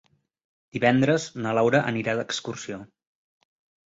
Divendres na Laura anirà d'excursió.